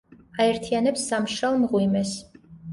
აერთიანებს სამ მშრალ მღვიმეს.